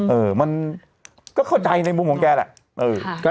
เออมันก็เข้าใจในมุมของแกแหละ